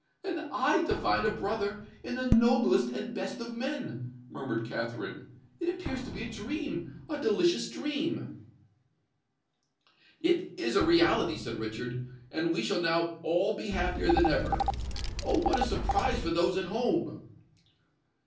"And I to find a brother in the noblest and best of men!" murmured Katherine: "it appears to be a dream—a delicious dream!" "It is a reality," said Richard; "and we shall now all be happier than ever. Oh! what a surprise for those at home!"